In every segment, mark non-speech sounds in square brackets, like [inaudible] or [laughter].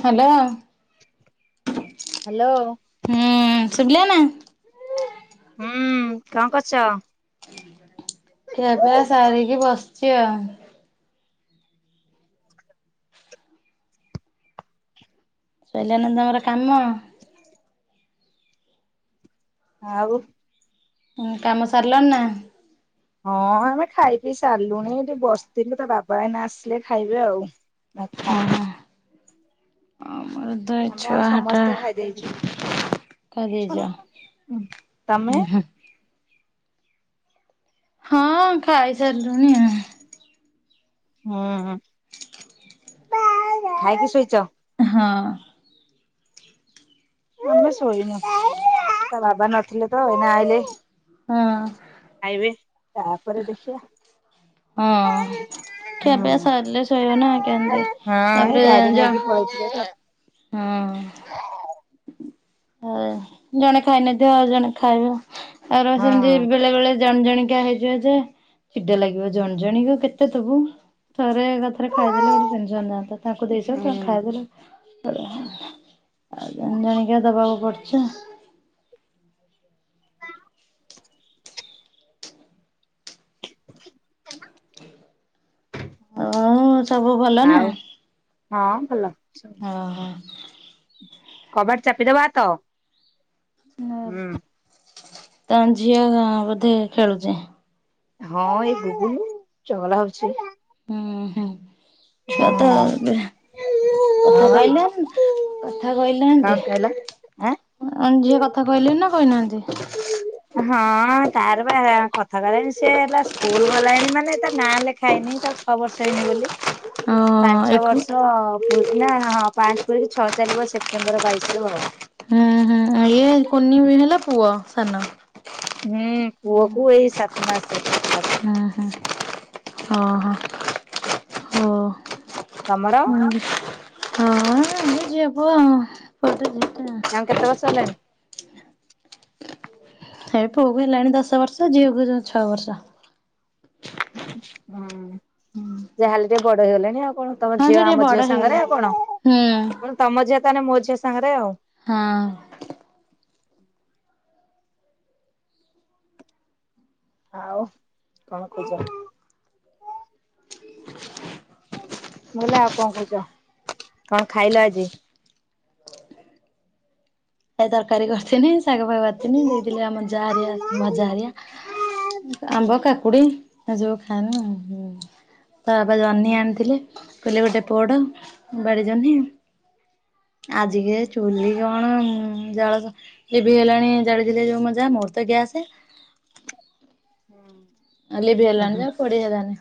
Hello. Hello. ହୁଁ ଶୁଭିଲା ନା? ହୁଁ କ କରୁଛ? ଖିଆ ପିଆ ସାରିକି ବସିଛି ଆଉ। ସଇଲାନା ତମର କାମ? ଆଉ କାମ ସାରିଲଣି ନା? ହଁ ଆମେ ଖାଇ ପିଇ ସାରିଲୁଣି ଟିକେ ବସିଥିଲୁ ତା ବାବା ଏଇନା ଆସିଲେ ଖାଇବେ ଆଉ। ଆ ମୋର ତ ଏଇ ଆମେ ଛୁଆ ଆଉ ହାଟା ସମସ୍ତେ ଖାଇଦେଇଛୁ। ତା ଜେଜ ତମେ? ଉଁ ହୁଁ। ହଁ ଖାଇ ସାରିଲୁଣି ଆଉ। ହୁଁ। ଖାଇକି ଶୋଇଛ? ହଁ। ଆମେ ଶୋଇନୁ ତା ବାବା ନଥିଲେ ତ ଏଇନା ଆଇଲେ। ହଁ। ଖାଇବେ ତାପରେ ଦେଖିବା। ହଁ। ଖିଆପିଆ ହୁଁ। ସାରିଲେ ଶୋଇବା ନା କେମତି ହଁ ଏଇ ତାପରେ ଗାଡି ଯ ନେଇକି ପଳେଇଥିଲେ ତ। ହଁ। ଆ ଜଣେ ଖାଇନଥିବ ଆଉ ଜଣେ ଖାଇବ। ତାର ସେମତି ହଁ। ବେଳେ ବେଳେ ଜଣି ଜଣିକିଆ ହେଇଯିବ ଯେ ଚିଡ଼ା ଲାଗିବ ଜଣ ଜଣିକା କୁ କେତେ ଦବୁ ଥରେ ଏକାଥରେ ଖାଇଦେଲେ ଗୋଟେ ଟେନ୍ସନ ଯାଆନ୍ତା। ତାଙ୍କୁ ଦେଇଛନ୍ତି ତାଙ୍କୁ ହୁଁ। ଖାଇଆକୁ ଦେଲେ ଆଉ ଜନିଜନିକିଆ ଦବାକୁ ପଡୁଚି ଆଉ [inaudible] ଆଉ ସବୁ ଭଲ ନା। ଆଉ ହଁ ଭଲ ସବୁ ହଁ ହଁ କବାଟ ଚାପିଦବ ହାତ। ନ ତାଙ୍କ ଝିଅ ହଁ ବୋଧେ ଖେଳୁଛି। ହଁ ଏଇ ଗୁଗୁଲୁ ଚଗଲା ହଉଛି। ହୁଁ ହୁଁ ଛୁଆ ତ ହୁଁ। ହେବେ। କଥା ହଁ ବା। କହିଲା କଥା କହିଲା କଣ ଏନ୍ତି। କହିଲ? ଆଁ। ଝିଅ କଥା କହିଲେଣି ନା କହିନାହାନ୍ତି। ହଁ ତାର ପା କଥା କହିଲାଣି ସେ ଏଇନା ସ୍କୁଲ ଗଲାଣି ମାନେ ତା ନାଁ ଲେଖା ହେଇନି ତାକୁ। ଛଅ ବର୍ଷ ହେଇନି ବୋଲି। ହୋଉ ପାଞ୍ଚ ବର୍ଷ ପୁରିଲା ହଁ ପାଞ୍ଚ ପୁରି ଛଅ ଚାଲିବ ସେପ୍ଟେମ୍ବର ବାଇଶି ରୁ ଆଉ। ହୁଁ ହୁଁ ଇଏ କୁନି ହେଇ ଗଲା ପୁଅ ସାନ। ହୁଁ ପୁଅକୁ ଏଇ ସାତ ମାସ ତାକୁ। ହଁ ହଁ ହଉ ହୁଁ ହଁ ତମର ଏଇ ଝିଅ ପୁଅ ଆଉ ଗୋଟେ ଝିଅ ତାଙ୍କୁ କେତେ ବର୍ଷ ହେଲାଣି। ଏଇ ପୁଅକୁ ହେଲାଣି ଦଶ ବର୍ଷ ଝିଅକୁ ଛଅ ବର୍ଷ। ହୁଁ ଯାହାହେଲେ ଟିକେ ବଡ ହେଇଗଲେଣି ଆଉ କଣ। ତମ ହଁ ସେ ଝିଅ ଟିକେ ଆମ ବଡ ଝିଅ ସାଙ୍ଗରେ ହେଇଗଲାଣି। ଆଉ କଣ। ମୁଁ ହୁଁ। କହିଲି ତମ ଝିଅ ତାହେଲେ ମୋ ଝିଅ ସାଙ୍ଗରେ ଆଉ। ହୁ ଆଉ କଣ କହୁଚ। [inaudible] ମୁଁ କହିଲି ଆଉ କଣ କହୁଛ କଣ ଖାଇଲ ଆଜି। ଏ ତରକାରୀ କରିଥିନି। ଶାଗ ଭାଗବାତିନୀ ଦେଇଥିଲେ ଆମ ଉଁ ଜାହାରାରିଆ ଭଜା ହାରଆ ଆମ୍ବ କାକୁଡି ଆ ଯୋଉ ଖାନା ତା ବାବା ଜହ୍ନି ଆଣିଥିଲେ କହିଲେ ଗୋଟେ ପୋଡ ବାଡି ଜହ୍ନି। ଆଜିକେ ଚୁଲି କଣ। ହୁଁ ଜାଳ ଏ ବି ହେଲାଣି ଜାଳିଥିଲେ ଯୋଉ ତ ମଜା ମୋର ତ ଗ୍ୟାସ। ହଁ ଲିଭି ଗଲାଣି ଯେ ଆଉ ପୋଡ଼ି ହେଲାନି।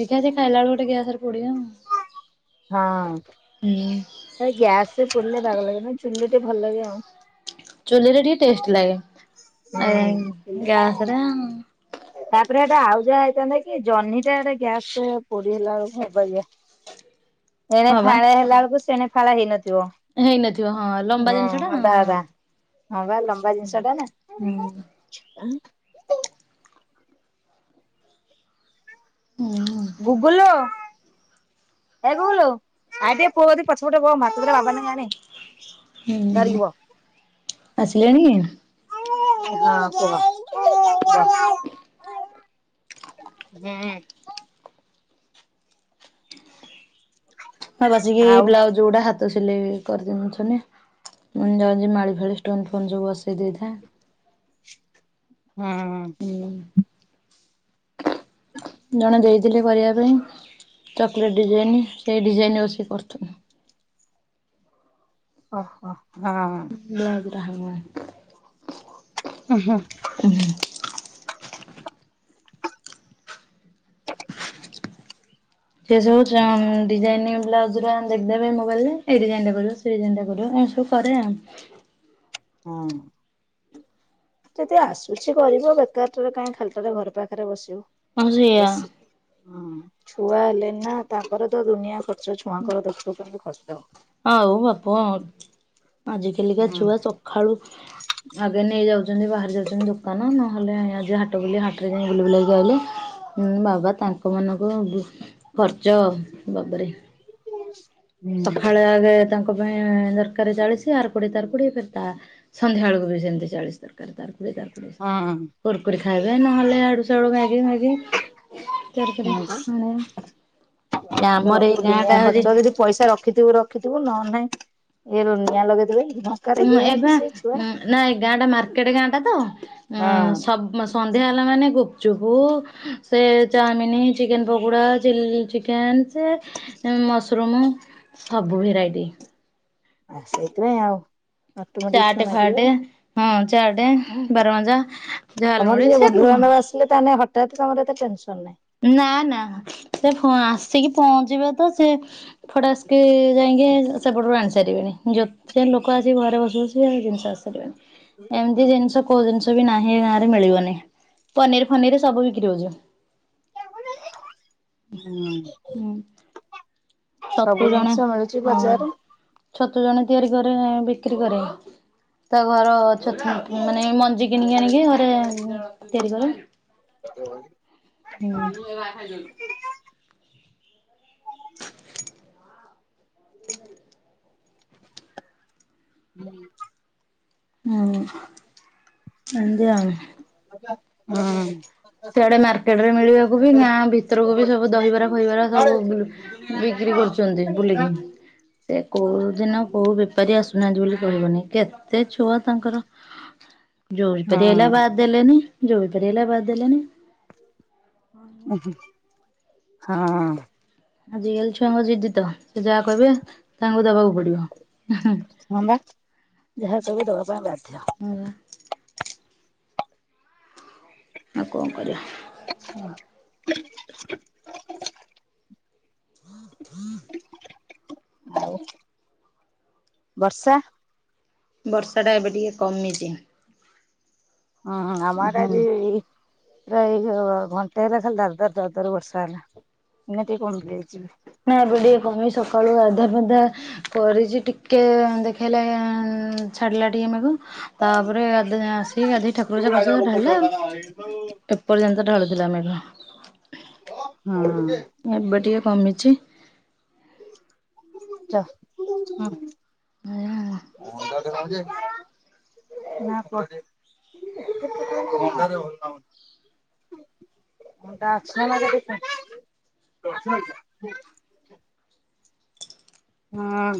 ଦେଖା ସେ ଖାଇଲାଲୁଟ ଗ ସ ପଡିଆ ହଁ ହୁଁ ଏ ଗ୍ୟାସ ପଡଲେ ଭଲ ଲାଗେ ନା ଚୁଲି ଟେ ଭଲ ଲାଗେ ଆଉ ଚୁଲିରେ ଟିକେ ଟେଷ୍ଟ ଲାଗେ ଆ ହୁଁ ଗ୍ୟାସରେ ତାପରେ ସେଟା ଆଉ ଯାହା ହେଇଥାନ୍ତା କି ଜହ୍ନିଟା ଏଟା ଗ୍ୟାସ ପୋଡି ହେଲା ବେଳକୁ ହେବ ଆା ଏଣେ ହଁ ବା ଫାଳା ହେଲା ବେଳକୁ ସେଣେ ଫାଳ ହେଇନଥିବ ହେଇନଥିବ ହଁ ଲମ୍ବା ଜିନିଷ ହଁ ଟା ଅଧା ଅଧା ହଁ ବା ଲମ୍ବା ଜିନିଷ ଟା ନା ହୁଁ ଗୁଗଲୋ ଏ ଗୁଗୁଲୁ ଆ ଟିକେ ପୁଅ କତିକି ପଛପଟେ ବ ମା ଭାତ ଦିଟା ବାବା ଲାଗି ଆଣେ। ହୁଁ, ଧରିକି ବ। ଆସିଲାଣି? ହଁ, କୁହ, କୁହ। ହୁଁ। ବାଁ ବସିକି ଏଇ ବ୍ଲାଉଜ୍ ଗୁଡ଼ା ହା ହାତ ସିଲେଇ କରିଦିଉଛୁନି ମୁଁ ଯାଉଛି ଜିମି ମାଳି ଫାଳି ଷ୍ଟୋନ୍ ଫୋନ୍ ସବୁ ବସେଇ ଦେଇଥାଏଁ। ହଁ ହୁଁ। ଜଣେ ଦେଇଥିଲେ କରିବା ପାଇଁ ଚକୋଲେଟ୍ ଡିଜାଇନ, ସେଇ ଡିଜାଇନ ବସି କରୁଥିଲି। ଓହୋ ହଁ। [unintelligible] ହୁଁ ହୁଁ। ହୁଁ [unintelligible] ସେ ସବୁ ଡିଜାଇନି ବ୍ଲାଉଜ ର ଦେଖଦେବେ ମୋବାଇଲ ରେ। ଏଇ ଡିଜାଇନ ଟା କରିବ ସେ ଡିଜାଇନ୍ ଟା କରିବ ଏମିତି ସବୁ କରେ ଆଉ। ହଁ ଯଦି ଆସୁଛି କରିବ ବେକାରଟାରେ କାହିଁ ଖାଲିଟାରେ ଘର ପାଖରେ ହଁ ବସିବ ସେଇଆ ବସି ହଁ ଛୁଆ ହେଲେନି ନା, ତାଙ୍କର ତ ଦୁନିଆ କ ସେ ଛୁଆଙ୍କର ଦେଖୁ ପାଇଁ ବି କଷ୍ଟ। ଆଜି କାଲିକା ଛୁଆ ସକାଳୁ ଆଗେ ନେଇ ଯାଉଛନ୍ତି ବାହାରି ଯାଉଛନ୍ତି ଦୋକାନ, ନହେଲେ ଆଜି ହାଟ ବୁଲି ହାଟରେ ଯାଇ ବୁଲି ବୁଲାକି ଆଇଲେ। ହୁଁ ବାବା ତାଙ୍କ ମାନଙ୍କୁ ଖର୍ଚ୍ଚ ବାବାରେ। [unintelligible] ସକାଳେ ଆଗେ ତାଙ୍କ ତା ପାଇଁ ଦରକାର ଚାଳିଶି ଆର କୋଡିଏ ତାର କୋଡିଏ ତା ସନ୍ଧ୍ୟା ବେଳକୁ ବି ସେମିତି ଚାଳିଶ ଦର ତ ତାକୁ ହଁ କୁର କୁରି ଖାଇବେ ନହେଲେ ଆଡୁ ସଡୁ ମାଗି ମାଗି [unintelligible] ତ ବାପ ଦୁନିଆ ହଉଛି ଖର୍ଚ୍ଚ ଯଦି ପଇସା ରଖିଥିବୁ ର ରଖିଥିବୁ ନହେନେ ନାହିଁ ଇଏ ନିଆଁ ଲଗେଇଦେବେ। ହଁ ଲାଗିଲାଣି ଏପା ସେ ଛୁଆ। ନା ଏ ଗାଁଟା ମାର୍କେଟ ଗାଁ ଟା ତ ଆ ଅ ସବୁ ସନ୍ଧ୍ୟା ହେଲା ମାନେ ଗୁପଚୁପୁ ସେ chowmein chicken pakora, chilli chicken ସେ ମସରୁମ୍ ସବୁ ଭେରାଇଟି ଆ ସେଇଥିପାଇଁ ଆଉ। ଅଟୋମେଟିକ ଛୁଆ ଚାଟେ ମାଗିବେ ଫାଟେ ଆଉ। ହଁ ଚାଟେ, ହଁ ବାରମଜା, ଝାଲମଡ଼ି ସେ କ ତାହେନେ ହଠାତ୍ ତମର ଏତେ ଟେନସନ ନାହିଁ। ନା ନା ସେ ଆସିକି ପହଞ୍ଚିବେ ତ ସେ ଫଟାସ୍କେ ଯାଇଁକି ସେପଟୁ ଆଣି ସାରିବେଣି ଜୋ ସେ ଲୋକ ଆସି ଘରେ ବସିବସି ଜିନିଷ ଆସସରିବନି ଏମିତି ଜିନିଷ କୋଉ ଜି ଜିନିଷ ବି ନାହିଁ ଏ ଗାଁରେ ମିଳିବନି। ପନିର ଫନିର ସବୁ ବିକ୍ରି ହଉଛି। ହୁଁ। ଛତୁ ଜଣେ ହଁ ବଜାରରେ। ଛତୁ ଜଣେ ତିଆରି କରେ ବିକ୍ରି କରେ। ତା ଘର ଛତ୍ ହୁଁ। ମାନେ ମଞ୍ଜି କିଣିକି ଆଣିକି ଘରେ ତିଆରି କରେ। [unintelligible] ହଁ ମୁ ଏ ଭ ଖଜ ହ [unintelligible] ହୁଁ [unintelligible] ହୁଁ ସେନ୍ତି ଆଉ। ହଁ [unintelligible] ସେଆଡେ ମାର୍କେଟରେ ମିଳିବାକୁ ବି ଗାଁ ଭିତରକୁ ବି ସବୁ ଦହିବାର ଖହିବରା ସବୁ ବିକ୍ରି କରୁଛନ୍ତି ବୁଲିକି। ସେ କୋଉଦିନ କୋଉ ବେପାରୀ ଆସୁନାହାନ୍ତି ବୋଲି କହିବନି କେତ ସେ ଛୁଆ ତାଙ୍କର ଯୋଉ ବେପାରୀ ଆଇଲା ବାଦ ଦେଲେନି ଯୋଉ ବେପାରୀ ଆଇଲା ବାଦ ଦେଲେନି। ହଁ। ଆଜି କାଲି ଛୁଆଙ୍କ ଜିଦି ତ ସେ ଯାହା କହିବେ ତାଙ୍କୁ ଦବାକୁ ପଡିବ। ହଁ ମ ଯାହା ସବୁ ଦବା ପାଇଁ ବାଧ୍ୟ। ହଁ ଵା। ଆଉ କଣ କରିବା। [unintelligible] ଆଉ ବର୍ଷା ବର୍ଷା ଟା ଏବେ ଟିକେ କମିଛି। ହଁ ହଁ ଆମ ଆଡେ ଆଜି ହଁ। ପୁରା ଏଇ ଘଣ୍ଟେ ହେଲା ଖାଲି ଦରଦର ଦରଦର ବର୍ଷା ହେଲା ଏଇନେ ଟିକେ କମିଯାଇଛି। ନାବେ ଟିକେ କମି ସକାଳୁ ଆଧା ପାଧା କରିଛି ଟିକେ ଦେଖେଇଲା ଛାଡିଲା ଟିକେ ମେଘ ତାପରେ ଏବେ ଯାହା ଆସିକି ଗାଧେଇ ଠାକୁରପୂଜା କରି ସାରୁ ସାରୁ ଢାଳିଲା ହଁ। ଆଉ ଏପର୍ଯ୍ୟନ୍ତ ଢାଳୁଥିଲା ମେଘ। ହୁଁ ଏବେ ଟିକେ କମିଛି। ଚା ହଁ [unintelligible] ଏଇଆ ଆଉ। ମୁଣ୍ଡା ସାଛ [inaudible] ନା [inaudible] ମୁଁଟାସନ ଲାଗ [inaudible] ହଁ